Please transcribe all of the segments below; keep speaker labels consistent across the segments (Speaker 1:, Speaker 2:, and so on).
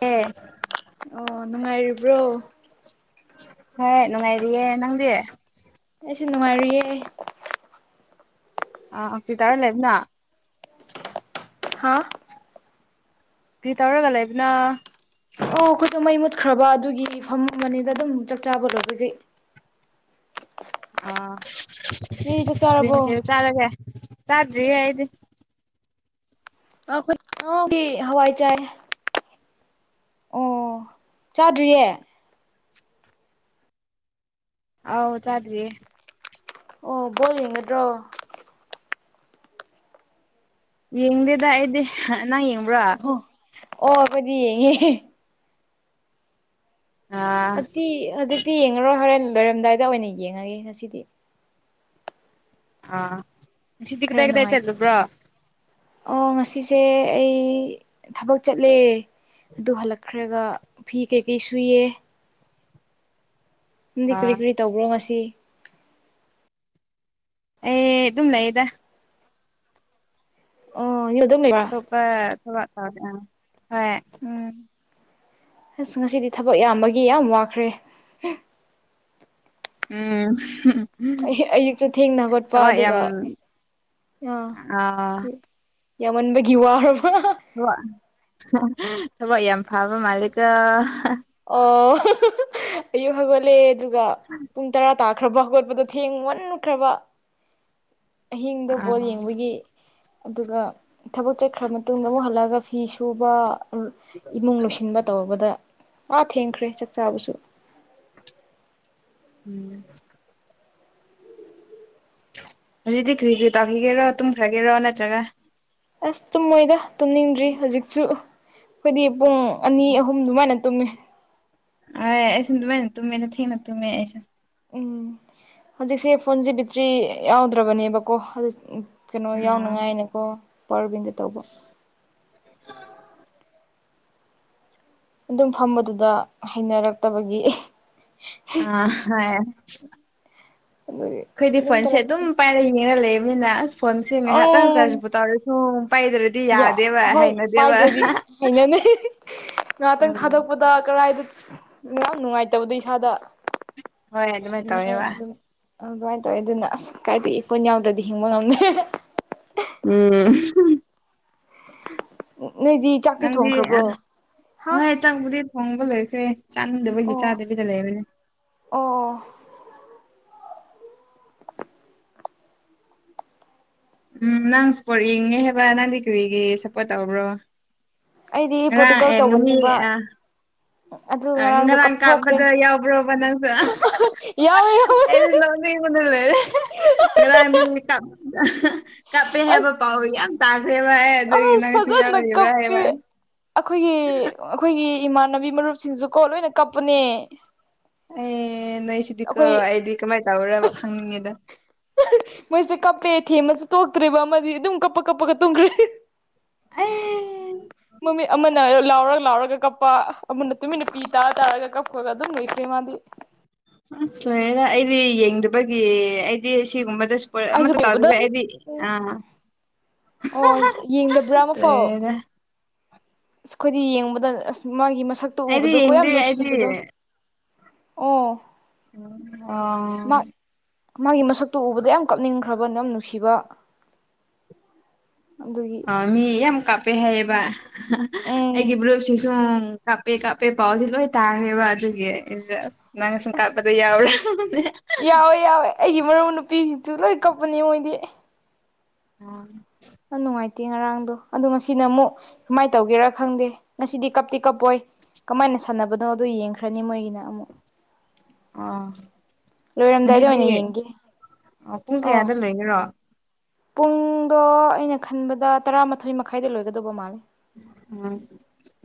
Speaker 1: ꯍꯦ [unintelligible]
Speaker 2: ꯑꯣ ꯅꯨꯡꯉꯥꯏꯔꯤꯕ꯭ꯔꯣ
Speaker 1: ꯍꯣꯏ ꯅꯨꯡꯉꯥꯏꯔꯤꯌꯦ ꯅꯪꯗꯤ
Speaker 2: ꯑꯩꯁꯨ ꯅꯨꯡꯉꯥꯏꯔꯤꯌꯦ
Speaker 1: ꯑ ꯑꯐꯤꯗꯔ ꯂꯩꯕꯅ
Speaker 2: ꯍꯥꯥ
Speaker 1: ꯀꯔꯤ ꯇꯧꯔꯒ ꯂꯩꯕꯅꯣ
Speaker 2: ꯑꯣ ꯑꯩꯈꯣꯏꯗ ꯃꯩ ꯃꯨꯠꯈ꯭ꯔꯕ ꯑꯗꯨꯒꯤ ꯐꯝ ꯃꯝꯕꯅꯤꯗ ꯑꯗꯨꯝ ꯆꯥꯛ ꯆꯥꯕ ꯂꯣꯏꯕꯒꯤ
Speaker 1: ꯑꯥ
Speaker 2: ꯅꯣꯏꯗꯤ ꯆꯥꯛ
Speaker 1: ꯀꯔꯤ
Speaker 2: ꯆꯥꯔꯕꯣ
Speaker 1: ꯃꯊꯦꯜ ꯆꯥꯔꯒꯦ ꯆꯥꯗ꯭ꯔꯤꯌꯦ ꯑꯩꯗꯤ
Speaker 2: ꯑꯈꯣꯏ [unintelligible] ꯍꯋꯥꯏ ꯆꯥꯏ ꯑꯣ ꯆꯥꯗ꯭ꯔꯤꯌꯦ
Speaker 1: ꯑꯧ ꯆꯥꯗ꯭ꯔꯤꯌꯦ
Speaker 2: ꯑꯣ ꯕꯣꯜ ꯌꯦꯡꯒꯗ꯭ꯔꯣ
Speaker 1: ꯌꯦꯡꯗꯦꯗ ꯑꯩꯗꯤ ꯅꯪ ꯌꯦꯡꯕ꯭ꯔꯣ ꯑꯥ
Speaker 2: ꯑꯣ ꯑꯣ ꯑꯩꯈꯣꯏꯗꯤ ꯌꯦꯡꯉꯦ ꯍꯧꯖꯤꯛꯇꯤ ꯍꯧꯖꯤꯛꯇꯤ ꯌꯦꯡꯉꯔꯣꯏ ꯍꯣꯔꯦꯟ ꯂꯣꯏꯔꯝꯗꯥꯏꯗ ꯑꯣꯏꯅ ꯌꯦꯡꯉꯒꯦ ꯉꯁꯤꯗꯤ
Speaker 1: ꯑ ꯉꯁꯤꯗꯤ
Speaker 2: ꯈꯔ
Speaker 1: ꯀꯗꯥꯏ ꯀꯗꯥꯏ
Speaker 2: ꯅꯨꯡꯉꯥꯏ
Speaker 1: ꯆꯠꯂꯨꯕ꯭ꯔꯣ
Speaker 2: ꯑꯣ ꯉꯁꯤꯁꯦ ꯑꯩ ꯊꯕꯛ ꯆꯠꯂꯦ ꯑꯗꯨ ꯍꯜꯂꯛꯈ꯭ꯔꯒ ꯐꯤ ꯀꯩꯀꯩ ꯁꯨꯏꯌꯦ ꯅꯪꯗꯤ ꯀꯔꯤ
Speaker 1: ꯑꯥ
Speaker 2: ꯀꯔꯤ ꯇꯧꯕ꯭ꯔꯣ ꯉꯁꯤ
Speaker 1: ꯑꯦ ꯑꯗꯨꯝ ꯂꯩꯌꯦꯗ
Speaker 2: ꯑꯣ ꯌꯨꯝ ꯑꯗꯨꯝ ꯂꯩꯕ꯭ꯔꯣ
Speaker 1: [unintelligible] ꯍꯣꯏ
Speaker 2: ꯎꯝ ꯑꯁ ꯉꯁꯤꯗꯤ ꯊꯕꯛ ꯌꯥꯝꯕꯒꯤ ꯌꯥꯝ ꯋꯥꯈ꯭ꯔꯦ
Speaker 1: ꯎꯝ
Speaker 2: ꯑꯌꯨꯛꯁꯨ ꯊꯦꯡꯅ ꯍꯧꯒꯠꯄ
Speaker 1: ꯊꯕꯛ
Speaker 2: ꯑꯗꯨꯒ
Speaker 1: ꯌꯥꯝ
Speaker 2: ꯑꯥ
Speaker 1: ꯑꯥ
Speaker 2: ꯌꯥꯝꯃꯟꯕꯒꯤ ꯋꯥꯔꯕ꯭ꯔꯥ
Speaker 1: [unintelligible] ꯊꯕꯛ ꯌꯥꯝ ꯐꯥꯕ ꯃꯥꯜꯂꯤꯀꯣ
Speaker 2: ꯑꯣ ꯑꯌꯨꯛ ꯍꯧꯒꯠꯂꯦ ꯑꯗꯨꯒ
Speaker 1: [unintelligible]
Speaker 2: ꯄꯨꯡ ꯇꯔꯥ ꯇꯥꯈ꯭ꯔꯕ ꯍꯧꯒꯣꯠꯄꯗꯣ ꯊꯦꯡ ꯃꯟꯈ꯭ꯔꯕ ꯑꯍꯤꯡꯗ ꯕꯣꯜ
Speaker 1: ꯑꯥ
Speaker 2: ꯌꯦꯡꯕꯒꯤ ꯑꯗꯨꯒ ꯊꯕꯛ ꯆꯠꯈ꯭ꯔ ꯃꯇꯨꯡꯗ ꯑꯃꯨꯛ ꯍꯜꯂꯛꯑꯒ ꯐꯤ ꯁꯨꯕ ꯏꯃꯨꯡ ꯂꯣꯏꯁꯤꯟꯕ ꯇꯧꯕꯗ ꯑꯥ ꯊꯦꯡꯈ꯭ꯔꯦ ꯆꯥꯛ ꯆꯥꯕꯁꯨ
Speaker 1: ꯎꯝ ꯍꯧꯖꯤꯛꯇꯤ ꯀꯔꯤ ꯀꯔꯤ ꯇꯥꯈꯤꯒꯦꯔꯣ ꯇꯨꯝꯈ꯭ꯔꯒꯦꯔꯣ ꯅꯠꯇ꯭ꯔꯒ
Speaker 2: ꯑꯁ ꯇꯨꯝꯃꯣꯏꯗ ꯇꯨꯝꯅꯤꯡꯗ꯭ꯔꯤ ꯍꯧꯖꯤꯛꯁꯨ ꯑꯩꯈꯣꯏꯗꯤ ꯄꯨꯡ ꯑꯅꯤ ꯑꯍꯨꯝ ꯑꯗꯨꯃꯥꯏꯅ ꯇꯨꯝꯃꯦ
Speaker 1: ꯑꯥꯏꯁ ꯑꯩꯁꯨ ꯑꯗꯨꯃꯥꯏꯅ ꯇꯨꯝꯃꯦ ꯊꯦꯡꯅ ꯇꯨꯝꯃꯦ ꯑꯩꯁꯨ
Speaker 2: ꯎꯝ ꯍꯧꯖꯤꯛꯁꯦ ꯐꯣꯟꯁꯦ ꯕꯤꯇ꯭ꯔꯤ ꯌꯥꯎꯗ꯭ꯔꯕꯅꯦꯕꯀꯣ [unintelligible] ꯀꯩꯅꯣ
Speaker 1: ꯑꯥ
Speaker 2: ꯌꯥꯎꯅꯉꯥꯏꯅꯦꯀꯣ ꯄꯋꯥꯔꯕꯤꯟꯗ ꯇꯧꯕ ꯑꯗꯨꯝ ꯐꯝꯕꯗꯨꯗ ꯍꯩꯅꯔꯛꯇꯕꯒꯤ
Speaker 1: ꯑ [unintelligible]
Speaker 2: ꯑꯗꯨꯒꯤ
Speaker 1: ꯑꯩꯈꯣꯏꯗꯤ ꯐꯣꯟꯁꯦ ꯑꯗꯨꯝ
Speaker 2: ꯇꯧꯔꯛꯄ
Speaker 1: ꯄꯥꯏꯔꯒ ꯌꯦꯡꯉ ꯂꯩꯕꯅꯤꯅ ꯑꯁ ꯐꯣꯟꯁꯦ ꯉꯥꯏꯍꯥꯛꯇꯪ ꯆꯥꯔꯖꯕꯨꯨ ꯇꯧꯔ [unintelligible] [unintelligible] ꯄꯥꯏꯗ꯭ꯔꯦ
Speaker 2: ꯌꯥ ꯑꯍꯣꯏ ꯄꯥꯏꯗ꯭ꯔꯗꯤ ꯍꯩꯅꯅꯩ ꯉꯍꯥꯛꯇꯪ
Speaker 1: ꯎꯝ
Speaker 2: ꯊꯥꯗꯣꯛꯄ ꯇꯥ ꯀꯔꯥꯏꯗ ꯌꯥꯝ ꯅꯨꯡꯉꯥꯏꯇꯕꯗꯣ ꯏꯁꯥꯗ
Speaker 1: ꯍꯣꯏ ꯑꯗꯨꯃꯥꯏꯅ
Speaker 2: ꯑꯗꯨꯉꯥꯏ
Speaker 1: ꯇꯧꯋꯦꯕ
Speaker 2: ꯑꯗꯨꯝ ꯑ ꯑꯗꯨꯃꯥꯏꯅ ꯇꯧꯋꯦ ꯑꯗꯨꯅ ꯑꯁ ꯀꯥꯏꯗꯩ ꯐꯣꯟ ꯌꯥꯎꯗ꯭ꯔꯗꯤ ꯍꯤꯡꯕ ꯉꯝꯃꯦ
Speaker 1: ꯎꯝ
Speaker 2: ꯅꯣꯏꯗꯤ ꯆꯥꯛꯇꯤ
Speaker 1: ꯅꯪꯗꯤ ꯑ
Speaker 2: ꯊꯣꯡꯈ꯭ꯔꯕ꯭ꯔꯣ ꯍꯥ
Speaker 1: ꯍꯣꯏ ꯆꯪꯕꯨꯗꯤ ꯊꯣꯡꯕ ꯂꯣꯏꯈ꯭ꯔꯦ ꯆꯥꯅꯤꯡꯗꯕꯒꯤ
Speaker 2: ꯑꯣ
Speaker 1: ꯆꯥꯗꯕꯤꯗ ꯂꯩꯕꯅꯦ
Speaker 2: ꯑꯣ
Speaker 1: ꯎꯝ ꯅꯪ ꯁ꯭ꯄꯣꯔꯠ ꯌꯦꯡꯉꯦ ꯍꯥꯏꯕ ꯅꯪꯗꯤ ꯀꯔꯤꯒꯤ ꯁꯞꯄꯣꯔꯠ ꯇꯧꯕ꯭ꯔꯣ
Speaker 2: ꯑꯩꯗꯤ
Speaker 1: ꯉꯥꯔꯥꯡ
Speaker 2: ꯄꯣꯔꯇꯨꯒꯜ
Speaker 1: ꯑꯦ ꯃꯤ
Speaker 2: ꯇꯧꯕꯅꯦꯕ
Speaker 1: ꯑꯥ
Speaker 2: ꯑꯗꯨ
Speaker 1: ꯑꯥ
Speaker 2: ꯉꯔꯥꯡꯗꯣ
Speaker 1: ꯉꯔꯥꯡ
Speaker 2: ꯀꯞꯊꯣꯛꯈ꯭ꯔꯦ
Speaker 1: ꯀꯥꯄꯗ ꯌꯥꯎꯕ꯭ꯔꯣꯕ ꯅꯪꯁꯨ
Speaker 2: ꯌꯥꯎꯋꯦ ꯌꯥꯎꯋꯦ
Speaker 1: ꯑꯩꯗꯤ ꯅꯣꯛ ꯅꯤꯡꯕꯅ ꯂꯣꯏꯔꯦ ꯉꯥꯔꯥꯡ ꯗꯤ ꯀꯄꯦ ꯍꯦꯕ
Speaker 2: ꯑꯁ
Speaker 1: ꯄꯥꯎ ꯌꯥꯝ ꯇꯥꯈ꯭ꯔꯦꯕ ꯑꯩ ꯑꯗꯨꯒꯤ
Speaker 2: ꯑꯁ
Speaker 1: ꯅꯪꯁꯨ
Speaker 2: ꯐꯖꯅ
Speaker 1: ꯌꯥꯎꯔꯤꯕ꯭ꯔꯥ
Speaker 2: ꯀꯞꯄꯦ
Speaker 1: ꯍꯥꯏꯕ
Speaker 2: ꯑꯩꯈꯣꯏꯒꯤ ꯑꯩꯈꯣꯏꯒꯤ ꯏꯃꯥꯟꯅꯕꯤ ꯃꯔꯨꯞꯁꯤꯡꯁꯨ ꯀꯣ ꯂꯣꯏꯅ ꯀꯞꯄꯅꯦ
Speaker 1: ꯑꯦ ꯅꯣꯏꯁꯤꯗꯤꯀꯣ
Speaker 2: ꯑꯩꯈꯣꯏ
Speaker 1: ꯑꯩꯗꯤ ꯀꯃꯥꯏꯅꯟ ꯇꯧꯕ꯭ꯔꯥ ꯈꯪꯅꯤꯡꯉꯦꯗ
Speaker 2: ꯃꯣꯏꯁꯦ ꯀꯞꯄꯦ ꯊꯦꯝꯃꯁꯨ ꯇꯣꯛꯇ꯭ꯔꯤꯕ ꯑꯃꯗꯤ ꯑꯗꯨꯝ ꯀꯞꯄ ꯀꯞꯄꯒ ꯇꯨꯝꯈ꯭ꯔꯦ
Speaker 1: ꯑꯩ
Speaker 2: ꯃꯃꯤꯠ ꯑꯃꯅ ꯂꯥꯎꯔꯒ ꯂꯥꯎꯔꯒ ꯀꯞꯄ ꯑꯃꯅ ꯇꯨꯃꯤꯟꯅ ꯄꯤ ꯇꯥꯔ ꯇꯥꯔꯒ ꯀꯞꯄ ꯈꯣꯂꯥ ꯑꯗꯨꯝ ꯂꯣꯏꯈ꯭ꯔꯦ ꯃꯥꯗꯤ
Speaker 1: ꯑꯁ ꯂꯣꯔꯦꯗ ꯑꯩꯗꯤ ꯌꯦꯡꯗꯕꯒꯤ ꯑꯩꯗꯤ ꯁꯤꯒꯨꯝꯕꯗ [unintelligible]
Speaker 2: ꯑꯩꯁꯨ
Speaker 1: ꯑꯃꯠꯇ
Speaker 2: ꯀꯧꯕꯗ
Speaker 1: ꯇꯥꯗꯕꯒꯤ ꯑꯩꯗꯤ ꯑꯥ
Speaker 2: ꯑꯣ ꯌꯦꯡꯗꯕ꯭ꯔꯥ ꯑꯃꯐꯥꯎ
Speaker 1: ꯂꯩꯔꯦ
Speaker 2: ꯑꯁ ꯑꯩꯈꯣꯏꯗꯤ ꯌꯦꯡꯕꯗ ꯑꯁ ꯃꯥꯒꯤ ꯃꯁꯛꯇꯣ
Speaker 1: ꯑꯩꯗꯤ
Speaker 2: ꯎꯕꯗꯣꯀꯣ ꯌꯥꯝ
Speaker 1: ꯌꯦꯡꯗꯦ ꯑꯩꯗꯤ
Speaker 2: ꯅꯨꯡꯁꯤꯕꯗꯣ ꯑꯣ
Speaker 1: ꯑꯣ
Speaker 2: ꯃꯥ ꯃꯥꯒꯤ ꯃꯁꯛꯇꯨ ꯎꯕꯗ ꯌꯥꯝ ꯀꯥꯞꯅꯤꯡꯈ꯭ꯔꯕ ꯅꯪ ꯅꯨꯡꯁꯤꯕ ꯑꯗꯨꯒꯤ
Speaker 1: ꯃꯤ ꯌꯥꯝ ꯀꯥꯞꯄꯦ ꯍꯥꯏꯌꯦꯕ ꯑꯩꯒꯤ
Speaker 2: ꯎꯝ
Speaker 1: ꯕ꯭ꯔꯨꯞꯁꯤ ꯁꯨꯝ ꯀꯥꯄꯦ ꯀꯥꯄꯦ ꯄꯥꯎꯁꯤ ꯂꯣꯏ ꯇꯥꯈ꯭ꯔꯦꯕ ꯑꯗꯨꯒꯤ ꯅꯪꯁꯨ ꯀꯥꯞ
Speaker 2: ꯑꯁ
Speaker 1: ꯌꯥꯎꯔꯝꯅꯤ
Speaker 2: ꯌꯥꯎꯋꯦ ꯌꯥꯎꯋꯦ ꯑꯩꯒꯤ ꯃꯔꯨꯞ ꯅꯨꯄꯤꯁꯤꯡꯁꯨ ꯂꯣꯏ ꯀꯞꯄꯅꯦ ꯃꯣꯏꯗꯤ
Speaker 1: ꯑꯥ
Speaker 2: ꯈꯔ ꯅꯨꯡꯉꯥꯏꯇꯦ ꯉꯔꯥꯡꯗꯣ ꯑꯗꯣ ꯉꯁꯤꯅ ꯑꯃꯨꯛ ꯀꯃꯥꯏ ꯇꯧꯒꯦꯔꯥ ꯈꯪꯗꯦ ꯉꯁꯤꯗꯤ ꯀꯞꯇꯤ ꯀꯞꯄꯣꯏ ꯀꯃꯥꯏꯅ ꯁꯥꯟꯅꯕꯅꯣꯗꯨ ꯌꯦꯡꯈ꯭ꯔꯅꯤ ꯃꯣꯏꯒꯤꯅ ꯑꯃꯨꯛ
Speaker 1: ꯑꯣ
Speaker 2: ꯂꯣꯏꯔꯝꯗꯥꯏꯗ
Speaker 1: ꯉꯁꯤꯗꯤ
Speaker 2: ꯑꯣꯏꯅ ꯌꯦꯡꯒꯦ
Speaker 1: ꯄꯨꯡ
Speaker 2: ꯑꯧ
Speaker 1: ꯀꯌꯥꯗ ꯂꯣꯏꯒꯦꯔꯣ
Speaker 2: ꯄꯨꯡꯗꯣ ꯑꯩꯅ ꯈꯟꯕꯗ ꯇꯔꯥꯃꯥꯊꯣꯏ ꯃꯈꯥꯏꯗ ꯂꯣꯏꯒꯗꯧꯕ ꯃꯥꯜꯂꯦ
Speaker 1: ꯎꯝ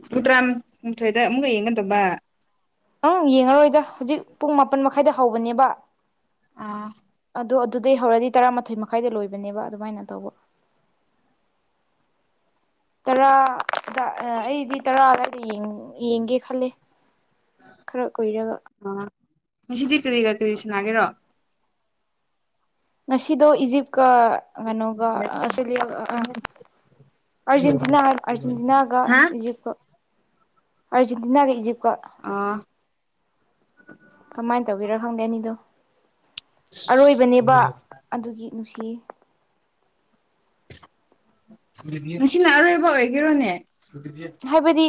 Speaker 1: ꯄꯨꯡ ꯇꯔꯥꯅꯤꯊꯣꯏꯗ ꯑꯃꯨꯛꯀ ꯌꯦꯡꯒꯗꯧꯕ
Speaker 2: ꯑꯪ ꯌꯦꯡꯉꯔꯣꯏꯗ ꯍꯧꯖꯤꯛ ꯄꯨꯡ ꯃꯥꯄꯟ ꯃꯈꯥꯏꯗ ꯍꯧꯕꯅꯦꯕ
Speaker 1: ꯑꯥ
Speaker 2: ꯑꯗꯣ ꯑꯗꯨꯗꯩ ꯍꯧꯔꯗꯤ ꯇꯔꯥꯃꯥꯊꯣꯏ ꯃꯈꯥꯏꯗ ꯂꯣꯏꯕꯅꯦꯕ ꯑꯗꯨꯃꯥꯏꯅ ꯇꯧꯕ ꯇꯔꯥꯗ ꯑꯩ ꯑꯩꯗꯤ ꯇꯔꯥ ꯑꯗꯥꯏ ꯌꯦꯡ ꯌꯦꯡꯒꯦ ꯈꯜꯂꯦ ꯈꯔ ꯀꯨꯏꯔꯒ
Speaker 1: ꯑꯥ ꯉꯁꯤꯗꯤ ꯀꯔꯤꯒ ꯀꯔꯤ ꯁꯅꯥꯒꯦꯔꯣ
Speaker 2: ꯉꯁꯤꯗꯣ ꯏꯖꯤꯞꯀꯥ ꯀꯩꯅꯣꯒ ꯑꯁꯇ꯭ꯔꯦꯂꯤꯌꯥꯒ ꯑ ꯑꯥꯔꯖꯦꯟꯇꯤꯅꯥ ꯍꯥꯏꯕ ꯑꯥꯔꯖꯦꯟꯇꯤꯅꯥꯒ
Speaker 1: ꯍꯥ
Speaker 2: ꯏꯖꯤꯞꯀ ꯑꯥꯔꯖꯦꯟꯇꯤꯅꯥꯒ ꯏꯖꯤꯞꯀ
Speaker 1: ꯑꯥ
Speaker 2: ꯀꯃꯥꯏꯅ ꯇꯧꯒꯦꯔ ꯈꯪꯗꯦ ꯑꯅꯤꯗꯣ ꯑꯔꯣꯏꯕꯅꯦꯕꯥ ꯑꯗꯨꯒꯤ ꯅꯨꯡꯁꯤꯌꯦ
Speaker 1: ꯉꯁꯤꯅ ꯑꯔꯣꯏꯕ ꯑꯣꯏꯒꯦꯔꯣꯅꯦ
Speaker 2: ꯍꯥꯏꯕꯗꯤ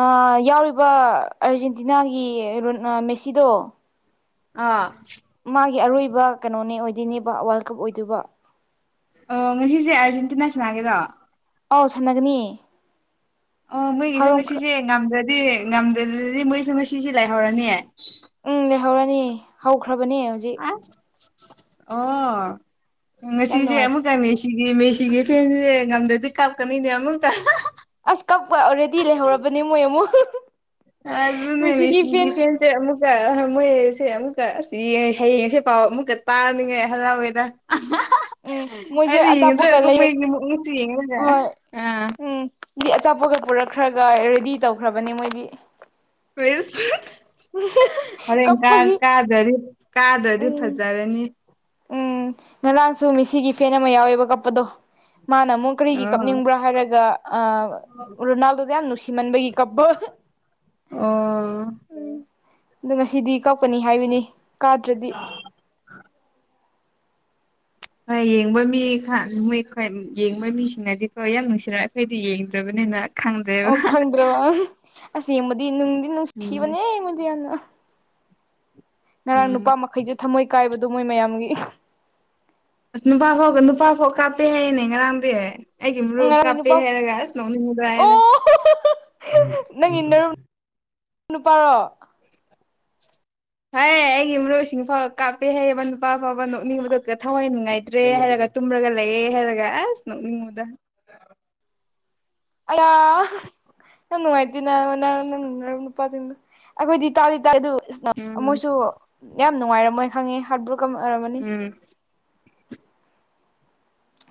Speaker 2: ꯑꯥ ꯌꯥꯎꯔꯤꯕ ꯑꯥꯔꯖꯦꯟꯇꯤꯅꯥꯒꯤ ꯔꯣꯅ ꯃꯦꯁꯤꯗꯣ
Speaker 1: ꯑꯥ
Speaker 2: ꯃꯥꯒꯤ ꯑꯔꯣꯏꯕ ꯀꯩꯅꯣꯅꯦ ꯑꯣꯏꯗꯣꯏꯅꯦꯕ ꯋꯥꯜ ꯀꯞ ꯑꯣꯏꯗꯣꯏꯕ
Speaker 1: ꯑꯣ ꯉꯁꯤꯁꯦ ꯑꯥꯔꯖꯦꯟꯇꯤꯅꯥ ꯁꯅꯥꯒꯦꯔꯣ
Speaker 2: ꯑꯥꯎ ꯁꯥꯟꯅꯒꯅꯤ
Speaker 1: ꯑꯣ ꯃꯣꯏꯒꯤꯁꯨ
Speaker 2: ꯍꯧꯔꯝꯈ꯭ꯔ
Speaker 1: ꯉꯁꯤꯁꯦ ꯉꯝꯗ꯭ꯔꯗꯤ ꯉꯝꯗꯗꯤ ꯃꯣꯏꯁꯨ ꯉꯁꯤꯁꯦ ꯂꯩꯍꯧꯔꯅꯤ
Speaker 2: ꯎꯝ ꯂꯩꯍꯧꯔꯅꯤ ꯍꯧꯈ꯭ꯔꯕꯅꯦ ꯍꯧꯖꯤꯛ
Speaker 1: ꯑꯣ
Speaker 2: ꯌꯥꯝ
Speaker 1: ꯉꯁꯤꯁꯦ
Speaker 2: ꯅꯨꯡꯉꯥꯏꯇꯦ
Speaker 1: ꯑꯃꯨꯛꯀ ꯃꯦꯁꯤ ꯁꯤꯗꯤ ꯃꯦꯁꯤꯒꯤ ꯐꯦꯟꯖꯦ ꯉꯝꯗ꯭ꯔꯗꯤ ꯀꯞꯀꯅꯤꯅꯦ ꯑꯃꯨꯛꯇ
Speaker 2: ꯑꯁ ꯀꯛꯄ ꯑꯣꯔꯦꯗꯤ ꯂꯩꯍꯧꯔꯕꯅꯦ ꯃꯣꯏ ꯑꯃꯨꯛ
Speaker 1: ꯑ ꯑꯗꯨꯅ ꯃꯦꯁꯤꯒꯤ ꯐꯦꯟ ꯁꯦ ꯑꯃꯨꯛꯀ ꯃꯣꯏꯁꯦ ꯑꯃꯨꯛꯀ ꯑꯁ ꯌꯦꯡ ꯍꯌꯦꯡꯁꯦ ꯄꯥꯎ ꯑꯃꯨꯛꯀ ꯇꯥꯅꯤꯡꯉꯥꯏ ꯍꯔꯥꯎꯋꯦꯗ
Speaker 2: ꯎꯝ ꯃꯣꯏꯁꯦ
Speaker 1: ꯑꯩꯗꯤ
Speaker 2: ꯑꯆꯥꯄꯣꯠꯀ
Speaker 1: ꯌꯦꯡꯒꯗ꯭ꯔꯕꯨ
Speaker 2: ꯂꯩ
Speaker 1: ꯃꯣꯏꯒꯤ ꯃꯨꯛꯅꯨꯛꯁꯤ ꯌꯦꯡꯉꯒ ꯑ
Speaker 2: ꯃꯤꯗꯤ ꯑꯆꯥꯄꯣꯠꯀ ꯄꯨꯔꯛꯈ꯭ꯔꯒ ꯔꯦꯗꯤ ꯇꯧꯈ꯭ꯔꯕꯅꯦ ꯃꯣꯏꯗꯤ
Speaker 1: ꯐꯤꯁ ꯍꯣꯔꯦꯟ ꯀꯥ
Speaker 2: ꯀꯞꯄꯒꯤ
Speaker 1: ꯀꯥꯗ꯭ꯔꯗꯤ ꯀꯥꯗ꯭ꯔꯗꯤ
Speaker 2: ꯎꯝ
Speaker 1: ꯐꯖꯔꯅꯤ
Speaker 2: ꯎꯝ ꯉꯔꯥꯡꯁꯨ ꯃꯦꯁꯤꯒꯤ ꯐꯦꯟ ꯑꯃ ꯌꯥꯎꯋꯦꯕ ꯀꯞꯄꯗꯣ ꯃꯥꯅ ꯑꯃꯨꯛ
Speaker 1: ꯑ
Speaker 2: ꯀꯔꯤꯒꯤ ꯀꯞꯅꯤꯡꯕ꯭ꯔꯥ ꯍꯥꯏꯔꯒ ꯑꯥ ꯔꯣꯅꯥꯜꯗꯣꯗ ꯌꯥꯝ ꯅꯨꯡꯁꯤꯃꯟꯕꯒꯤ ꯀꯞꯄ
Speaker 1: ꯑꯣ
Speaker 2: ꯎꯝ ꯑꯗꯣ ꯉꯁꯤꯗꯤ ꯀꯞꯀꯅꯤ ꯍꯥꯏꯕꯅꯤ ꯀꯥꯗ꯭ꯔꯗꯤ
Speaker 1: ꯍꯣꯏ ꯌꯦꯡꯕ ꯃꯤꯈꯥꯟ ꯃꯣꯏ ꯌꯦꯡꯕ ꯃꯤꯁꯤꯡꯅꯗꯤꯀꯣ ꯌꯥꯝ ꯅꯨꯡꯁꯤꯔ ꯑꯩꯈꯣꯏꯗꯤ ꯌꯦꯡꯗ꯭ꯔꯕꯅꯤꯅ ꯈꯪꯗ꯭ꯔꯦꯕ
Speaker 2: ꯑꯣ ꯈꯪꯗ꯭ꯔꯕ ꯑꯁ ꯌꯦꯡꯕꯗꯤ ꯅꯨꯡꯗꯤ
Speaker 1: ꯎꯝ
Speaker 2: ꯅꯨꯡꯁꯤꯕꯅꯦ ꯃꯣꯏꯗꯤ ꯌꯥꯝꯅ ꯉꯔꯥꯡ
Speaker 1: ꯎꯝ
Speaker 2: ꯅꯨꯄꯥ ꯃꯈꯩꯗꯨ ꯊꯝꯃꯣꯏ ꯀꯥꯏꯕꯗꯣ ꯃꯣꯏ ꯃꯌꯥꯝꯒꯤ
Speaker 1: ꯑꯁ ꯅꯨꯄꯥꯐꯥꯎꯒ ꯅꯨꯄꯥꯐꯥꯎ ꯀꯥꯞꯄꯦ ꯍꯥꯏꯌꯦꯅꯦ ꯉꯔꯥꯡꯗꯤ ꯑꯩꯒꯤ ꯃꯔꯨꯞ
Speaker 2: ꯉꯔꯥꯡꯒꯤ
Speaker 1: ꯀꯥꯞꯄꯦ
Speaker 2: ꯅꯨꯄꯥ
Speaker 1: ꯍꯥꯏꯔꯒ ꯑꯁ ꯅꯣꯛꯅꯤꯡꯕꯗꯨ ꯑꯩꯅ
Speaker 2: ꯑꯣ ꯅꯪꯒꯤ ꯅꯔꯨꯞ ꯅꯨꯄꯥꯔꯣ
Speaker 1: ꯍꯩ ꯑꯩꯒꯤ ꯃꯔꯨꯞꯁꯤꯡꯐꯥꯎꯕ ꯀꯥꯞꯄꯦ ꯍꯩꯌꯦꯕ ꯅꯨꯄꯥ ꯐꯥꯎꯕ ꯅꯣꯛꯅꯤꯡꯕꯗꯣ ꯊꯋꯥꯏ ꯅꯨꯡꯉꯥꯏꯇ꯭ꯔꯦ ꯍꯥꯏꯔꯒ ꯇꯨꯝꯔꯒ ꯂꯩꯌꯦ ꯍꯥꯏꯔꯒ ꯑꯁ ꯅꯣꯛꯅꯤꯡꯕꯗꯣ
Speaker 2: ꯑꯌꯥ ꯌꯥꯝ ꯅꯨꯡꯉꯥꯏꯇꯦꯅ ꯅꯪ ꯅꯨꯄꯥꯖꯤꯡꯗꯨ ꯑꯩꯈꯣꯏꯗꯤ ꯇꯥꯗꯤ ꯇꯥꯏ ꯑꯗꯨ
Speaker 1: ꯎꯝ
Speaker 2: ꯃꯣꯏꯁꯨ ꯌꯥꯝ ꯅꯨꯡꯉꯥꯏꯔꯝꯃꯣꯏ ꯈꯪꯉꯦ ꯍꯥ꯭ꯔꯠ ꯕ꯭ꯔꯣꯀꯟ ꯑꯣꯏꯔꯝꯃꯅꯤ
Speaker 1: ꯎꯝ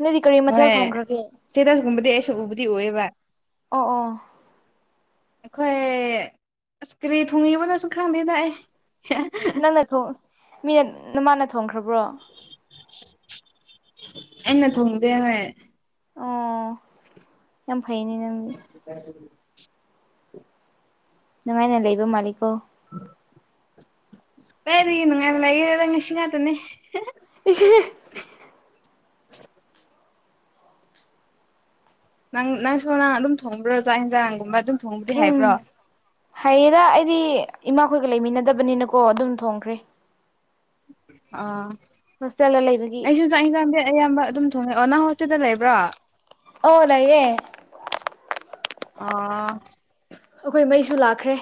Speaker 2: ꯅꯣꯏꯗꯤ ꯀꯔꯤ
Speaker 1: ꯍꯣꯏ
Speaker 2: ꯃꯊꯦꯜ ꯊꯣꯡꯈ꯭ꯔꯒꯦ
Speaker 1: ꯆꯦꯇꯁꯀꯨꯝꯕꯗꯤ ꯑꯩꯁꯨ ꯎꯕꯨꯗꯤ ꯎꯌꯦꯕꯥ
Speaker 2: ꯑꯣ ꯑꯣ
Speaker 1: ꯑꯩꯈꯣꯏ ꯏꯁꯀ꯭ꯔꯤꯟ ꯊꯨꯡꯉꯤꯕꯅꯁꯨ ꯈꯪꯗꯦꯗꯥꯛ ꯑꯩ
Speaker 2: ꯅꯪ ꯃꯤꯅꯠ ꯅꯃꯥꯟꯅ ꯊꯣꯡꯈ꯭ꯔꯕ꯭ꯔꯣ
Speaker 1: ꯑꯦꯟꯅ ꯊꯨꯝꯗꯦ ꯍꯥꯏꯦ
Speaker 2: ꯑꯣ ꯌꯥꯝ ꯐꯩꯅꯤꯅꯗꯤ
Speaker 1: [unintelligible]
Speaker 2: ꯅꯨꯡꯃꯥꯏꯅ ꯂꯩꯕ ꯃꯥꯂꯤꯛꯀꯣ
Speaker 1: ꯀꯔꯤꯔꯤ ꯅꯨꯡꯉꯥꯏꯅ ꯂꯩꯒꯔꯦꯗ ꯉꯁꯤ ꯉꯥꯛꯇꯅꯦ
Speaker 2: [unintelligible]
Speaker 1: ꯎ ꯅꯪ ꯅꯪꯁꯨꯣ ꯅꯪ ꯑꯗꯨꯝ ꯊꯣꯡꯕ꯭ꯔꯣꯖꯥꯛ ꯌꯦꯟꯖꯥꯡꯒꯨꯝꯕ ꯑꯗꯨꯝ ꯊꯣꯡꯕꯗꯤ
Speaker 2: ꯎꯝ
Speaker 1: ꯍꯥꯏꯕ꯭ꯔꯣ
Speaker 2: ꯍꯥꯏꯌꯦꯗ ꯑꯩꯗꯤ ꯏꯃꯥꯈꯣꯏꯒ ꯂꯩꯃꯤꯟꯅꯗꯕꯅꯤꯅꯀꯣ ꯑꯗꯨꯝ ꯊꯣꯡꯈ꯭ꯔꯦ
Speaker 1: ꯑꯥ
Speaker 2: ꯍꯣꯁꯇꯦꯜꯗ ꯂꯩꯕꯒꯤ
Speaker 1: ꯍꯥꯛ ꯏꯟꯖꯥꯡꯗꯤꯦ ꯑꯌꯥꯝꯕ ꯑꯗꯨꯝ ꯊꯣꯡꯉꯛꯑꯣ ꯅꯍ ꯍꯣꯁꯇꯦꯜꯗ ꯂꯩꯕ꯭ꯔꯣ
Speaker 2: ꯑꯣ ꯂꯩꯌꯦ
Speaker 1: ꯑꯥ
Speaker 2: ꯑꯩꯈꯣꯏ ꯃꯩꯁꯨ ꯂꯥꯛꯈ꯭ꯔꯦ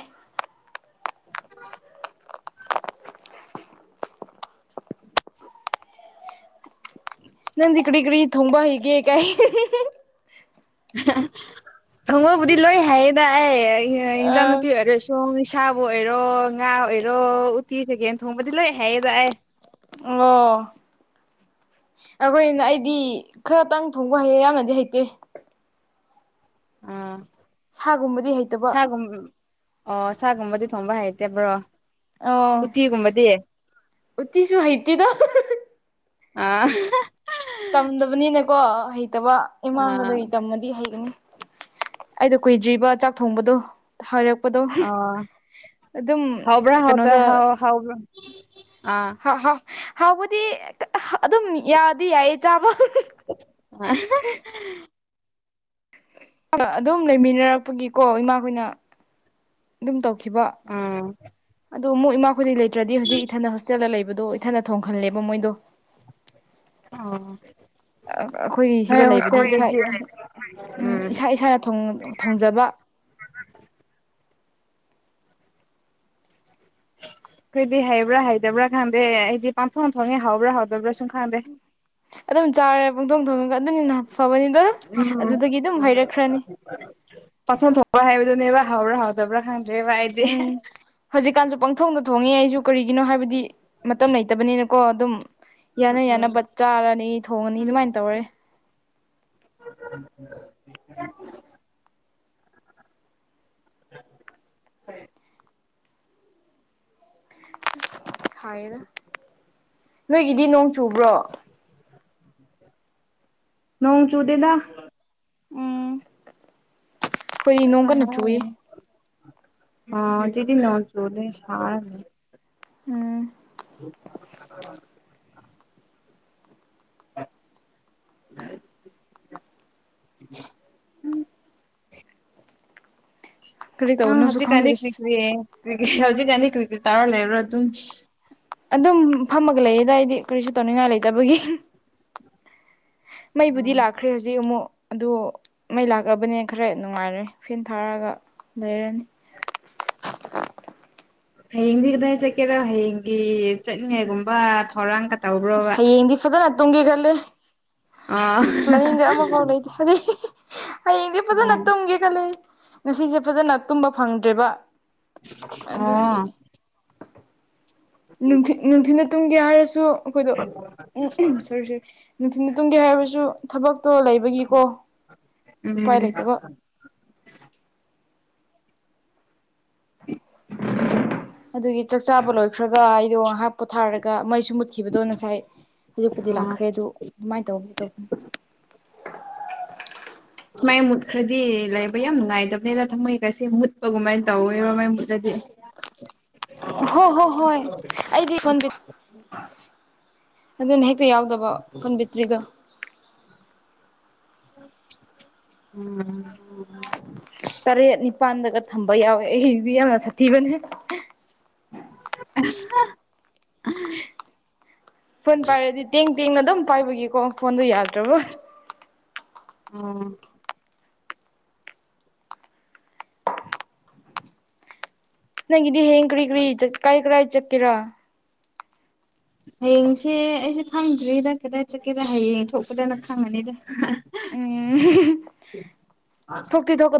Speaker 1: ꯑ
Speaker 2: ꯅꯟ ꯏ ꯀꯒꯔꯤ ꯊꯣꯡꯝꯕ ꯍꯤꯒꯦ ꯀꯥꯏ
Speaker 1: ꯍꯪꯉꯣꯏꯕꯨꯗꯤ ꯂꯣꯏ ꯍꯥꯏꯌꯦꯗ ꯑꯦ ꯏꯟꯖꯥꯡ
Speaker 2: ꯑꯥ
Speaker 1: ꯅꯨꯄꯤ ꯑꯣꯏꯔꯁꯨ ꯁꯣꯡ ꯏꯁꯥꯕꯨ ꯑꯣꯏꯔꯣ ꯉꯥ ꯑꯣꯏꯔꯣ ꯎꯇꯤ ꯆꯒꯦꯟ ꯊꯣꯡꯕꯗꯤ ꯂꯣꯏ ꯍꯥꯏꯌꯦꯗꯥꯛꯑ
Speaker 2: ꯑꯣ ꯑꯩꯈꯣꯏꯅ ꯑꯩꯗꯤ ꯈꯔꯇꯪ ꯊꯣꯡꯕ ꯍꯩꯌꯦ ꯌꯥꯝꯅꯗꯤ ꯍꯩꯇꯦ
Speaker 1: ꯑꯥ
Speaker 2: ꯁꯥꯒꯨꯝꯕꯗꯤ ꯍꯩꯇꯕ
Speaker 1: ꯁꯒꯨꯝ ꯑꯣ ꯁꯥꯒꯨꯝꯕꯗꯤ ꯊꯣꯡꯕ ꯍꯩꯇꯕ꯭ꯔꯣ
Speaker 2: ꯑꯣ
Speaker 1: ꯎꯇꯤꯒꯨꯝꯕꯗꯤ
Speaker 2: ꯎꯠꯇꯤꯁꯨ ꯍꯥꯏꯩꯇꯗ
Speaker 1: ꯑꯥ
Speaker 2: ꯇꯝꯗꯕꯅꯤꯅꯦꯀꯣ ꯍꯩꯇꯕ ꯏꯃꯥꯡꯒꯗ
Speaker 1: ꯑꯥ
Speaker 2: ꯇꯝꯃꯗꯤ ꯍꯩꯒꯅꯤ ꯑꯩꯗꯣ ꯀꯨꯏꯗ꯭ꯔꯤꯕ ꯆꯥꯛ ꯊꯣꯡꯕꯗꯣ ꯍꯥꯏꯔꯛꯄꯗꯣ
Speaker 1: ꯑꯣ
Speaker 2: ꯑꯗꯨꯝ
Speaker 1: ꯍꯥꯎꯕ꯭ꯔꯥ ꯍꯥꯎꯇ
Speaker 2: ꯀꯩꯅꯣꯗ
Speaker 1: ꯍꯥꯎ ꯍꯥꯎꯕ꯭ꯔꯥ ꯑꯥ
Speaker 2: ꯍ ꯍ ꯍꯥꯎꯕꯗꯤ ꯑꯗꯨꯝ ꯌꯥꯗꯤ ꯌꯥꯏꯌꯦ ꯆꯥꯕ
Speaker 1: ꯑ
Speaker 2: ꯑꯗꯨꯝ ꯂꯩꯃꯤꯟꯅꯔꯛꯄꯒꯤꯀꯣ ꯏꯃꯥꯈꯣꯏꯅ ꯑꯗꯨꯝ ꯇꯧꯈꯤꯕ
Speaker 1: ꯑꯥ
Speaker 2: ꯑꯗꯣ ꯃꯨꯛ ꯏꯃꯥ ꯈꯨꯗꯤꯩ ꯂꯩꯇ꯭ꯔꯗꯤ ꯍꯧꯖꯤꯛ ꯏꯊꯟꯗ ꯍꯣꯁꯇꯦꯜꯗ ꯂꯩꯕꯗꯣ ꯏꯊꯟꯅ ꯊꯣꯡꯍꯜꯂꯦꯕ ꯃꯣꯏꯗꯣ
Speaker 1: ꯑꯥ
Speaker 2: ꯑꯩꯈꯣꯏꯒꯤ ꯁꯤꯗ ꯂꯩꯕꯗꯤ ꯏꯁꯥ
Speaker 1: ꯎꯝ
Speaker 2: ꯎ ꯏꯁꯥ
Speaker 1: ꯑꯩꯈꯣꯏꯗꯤ
Speaker 2: ꯏꯁꯥꯅ ꯊꯣꯡꯖꯕ
Speaker 1: ꯀꯩꯗꯤ ꯍꯩꯕ꯭ꯔꯥ ꯍꯩꯇꯕ꯭ꯔꯥ ꯈꯪꯗꯦ ꯑꯩꯗꯤ ꯄꯥꯡꯊꯣꯛ ꯊꯣꯛꯣꯡꯉꯦ ꯍꯥꯎꯕ꯭ꯔꯥ ꯍꯧꯥꯎꯗꯕ꯭ꯔꯥ ꯁꯨꯝ ꯈꯪꯗꯦ
Speaker 2: ꯑꯗꯨꯝ ꯆꯥꯔꯦ ꯄꯣꯡꯊꯣꯡ ꯊꯣꯡꯗꯒ ꯑꯗꯨꯅꯤꯅ ꯐꯕꯅꯤꯗ ꯑꯗꯨꯗꯒꯤ ꯑꯗꯨꯝ ꯍꯩꯔꯛꯈ꯭ꯔꯅꯤ
Speaker 1: ꯄꯊꯟ ꯊꯣꯛꯄ ꯍꯥꯏꯕꯗꯨꯅꯦꯕ ꯍꯥꯎꯕ꯭ꯔꯥ ꯍꯥꯎꯗꯕ꯭ꯔꯥ ꯈꯪꯗ꯭ꯔꯦꯕ ꯑꯩꯗꯤ
Speaker 2: ꯎꯝ ꯍꯧꯖꯤꯛꯀꯥꯟꯁꯨ ꯄꯪꯊꯣꯡꯗ ꯊꯣꯡꯉꯦ ꯑꯩꯁꯨ ꯀꯔꯤꯒꯤꯅꯣ ꯍꯥꯏꯕꯗꯤ ꯃꯇꯝ ꯂꯩꯇꯕꯅꯤꯅꯀꯣ ꯑꯗꯨꯝ ꯌꯥꯅ ꯌꯥꯅꯕ ꯆꯥꯔꯅꯤ ꯊꯣꯡꯉꯅꯤ ꯑꯗꯨꯃꯥꯏꯅ ꯇꯧꯔꯦ
Speaker 1: [unintelligible] ꯎ
Speaker 2: ꯁꯥꯏꯌꯦꯅ ꯅꯣꯏꯒꯤꯗꯤ ꯅꯣꯡ ꯆꯨꯕ꯭ꯔꯣ
Speaker 1: ꯅꯣꯡ ꯆꯨꯗꯦꯗ
Speaker 2: ꯑꯩꯣꯏ ꯅꯣꯡꯒ ꯅꯆꯨꯦ
Speaker 1: ꯑꯗꯤ ꯅ ꯆꯣꯂ ꯁ
Speaker 2: ꯎꯝ
Speaker 1: ꯎꯝ ꯎꯝ [inaudible]
Speaker 2: ꯀꯔꯤ
Speaker 1: ꯑ
Speaker 2: ꯇꯧꯕꯅꯣꯁꯨ
Speaker 1: ꯍꯧꯖꯤꯛꯀꯅꯤ
Speaker 2: ꯈꯪꯗ꯭ꯔꯤꯁ
Speaker 1: ꯀꯛ꯭ꯔꯤꯌꯦ ꯍꯧꯖꯤꯛ ꯑꯅꯤ ꯀ꯭ꯛ꯭ꯔꯤ ꯇꯥꯔ ꯂꯩꯕ꯭ꯔꯣ ꯑꯗꯨꯝ
Speaker 2: ꯑꯗꯨꯝ ꯐꯝꯃꯒ ꯂꯩꯌꯦꯗꯏꯗꯤ ꯀꯔꯤꯁꯨ ꯇꯧꯅꯤꯡꯉꯥꯏ ꯂꯩꯇꯕꯒꯤ ꯃꯕꯨꯙꯗꯤ ꯂꯥꯛꯀꯔꯤ ꯍꯧꯦ ꯍꯧꯖꯤꯛ ꯑꯃꯨꯛ ꯑꯗꯨ ꯃꯩ ꯂꯥꯛꯂꯕꯅꯤꯅ ꯈꯔ ꯅꯨꯡꯉꯥꯏꯔꯦ ꯐꯦꯟ ꯊꯥꯔꯛꯒ ꯂꯩꯔꯅꯤ
Speaker 1: ꯍꯌꯦꯡꯗꯤ ꯀꯗꯥꯏ ꯆꯠꯀꯦꯔꯣ ꯍꯌꯦꯡꯒꯤ ꯆꯠꯅꯤꯡꯉꯥꯏꯒꯨꯝꯕ ꯊꯧꯔꯥꯡ
Speaker 2: ꯑꯁ ꯍꯌꯦꯡꯗꯤ ꯐꯖꯅ ꯇꯨꯝꯒꯦ ꯈꯜꯂꯦ
Speaker 1: ꯑꯥ
Speaker 2: ꯑꯁ ꯄ꯭ꯂꯅꯤꯡꯒ ꯑꯃꯐꯥꯎ ꯂꯩꯇꯦ ꯑꯗꯨꯩ ꯍꯌꯦꯡꯗꯤ ꯐꯖꯅ
Speaker 1: ꯑꯣ
Speaker 2: ꯇꯨꯝꯒꯤ ꯈꯂ ꯉꯁꯤꯁꯦ ꯐꯖꯅ ꯇꯨꯝꯕ ꯐꯪꯗ꯭ꯔꯦꯕ ꯑꯗꯨꯒꯤ
Speaker 1: ꯑꯣ
Speaker 2: ꯊꯤ ꯅꯨꯡꯊꯤꯅ ꯇꯨꯡꯒꯦ ꯍꯥꯏꯔꯁꯨ ꯑꯩꯈꯣꯏꯗꯣ ꯎꯝ ꯎꯝ ꯁꯔ ꯁꯔ ꯅꯨꯡꯊꯤꯜ ꯊꯨꯡꯒꯤ ꯍꯥꯏꯔꯕꯁꯨ ꯊꯕꯛꯇꯣ ꯂꯩꯕꯒꯤꯀꯣ ꯎꯄꯥꯏ ꯂꯩꯇꯕ
Speaker 1: ꯎꯝ [inaudible]
Speaker 2: ꯑꯗꯨꯒꯤ ꯆꯥꯛ ꯆꯥꯕ ꯂꯣꯏꯈ꯭ꯔꯒ ꯑꯩꯗꯣ ꯉꯥꯏꯍꯥꯛ ꯄꯣꯊꯥꯔꯒ ꯃꯩꯁꯨ ꯃꯨꯠꯈꯤꯕꯗꯣ ꯉꯁꯥꯏ ꯍꯧꯖꯤꯛꯄꯨꯗꯤ
Speaker 1: ꯑꯣ
Speaker 2: ꯂꯥꯛꯈ꯭ꯔꯦ ꯑꯗꯨ ꯑꯗꯨꯃꯥꯏꯅ ꯇꯧꯒꯦ ꯇꯧꯕꯅꯤ
Speaker 1: ꯑ ꯃꯥꯏ ꯃꯨꯠꯈ꯭ꯔꯗꯤ ꯂꯩꯕ ꯌꯥꯝ ꯅꯨꯡꯉꯥꯏꯇꯕꯅꯤꯅ ꯊꯝꯃꯣꯏꯒꯁꯤ ꯃꯨꯠꯄ ꯀꯃꯥꯏꯅ ꯇꯧꯋꯦꯕ ꯃꯥꯏ ꯃꯨꯠꯂꯗꯤ
Speaker 2: ꯍꯣ ꯍꯣ ꯍꯣꯏ ꯑꯩꯗꯤꯗ ꯑꯗꯨꯅ ꯍꯦꯛꯇ ꯌꯥꯎꯗꯕ ꯐꯟꯕꯤꯠꯇ꯭ꯔꯤꯒ
Speaker 1: ꯎꯝ
Speaker 2: ꯎ ꯇꯔꯦꯠ ꯅꯤꯄꯥꯜꯗꯒ ꯊꯝꯕ ꯌꯥꯎꯋꯦ ꯑꯩꯗꯤ ꯌꯥꯝꯅ ꯁꯥꯊꯤꯕꯅꯦ
Speaker 1: [inaudible]
Speaker 2: ꯐꯣꯟ ꯄꯥꯏꯔꯗꯤ ꯇꯦꯡ ꯇꯦꯡꯅ ꯑꯗꯨꯝ ꯄꯥꯏꯕꯒꯤꯀꯣ ꯐꯣꯟꯗꯣ ꯌꯥꯗ꯭ꯔꯕꯣ
Speaker 1: ꯑꯣ
Speaker 2: ꯅꯪꯒꯤꯗꯤ ꯍꯦꯡ ꯀ꯭ꯔꯤ ꯀ꯭ꯔꯤ ꯀꯥꯏ ꯀꯔꯥꯏ ꯆꯠꯀꯦꯔꯥ
Speaker 1: ꯍꯌꯦꯡꯁꯦ ꯑꯩꯁꯦ ꯈꯪꯗ꯭ꯔꯤꯗ ꯀꯗꯥꯏ ꯆꯠꯀꯦꯔ ꯍꯌꯦꯡ ꯊꯣꯛꯄꯗꯅ ꯈꯪꯉꯅꯤꯗ
Speaker 2: [unintelligible]